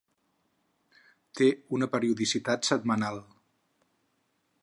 Té una periodicitat setmanal.